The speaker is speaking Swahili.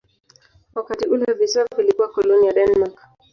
Wakati ule visiwa vilikuwa koloni ya Denmark.